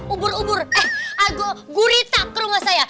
ubur ubur eh aku gurita ke rumah saya